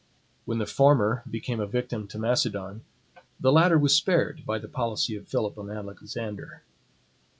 When the former became a victim to Macedon, the latter was spared by the policy of Philip and Alexander.